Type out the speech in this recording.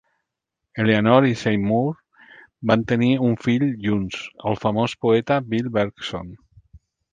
Eleanor i Seymour van tenir un fill junts, el famós poeta Bill Berkson.